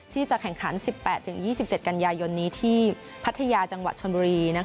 ที่จะแข่งขัน๑๘๒๗กันยายนนี้ที่พัทยาจังหวัดชนบุรี